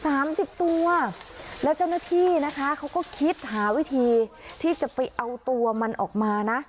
สามสิบตัวแล้วเจ้าหน้าที่นะคะเขาก็คิดหาวิธีที่จะไปเอาตัวมันออกมานะ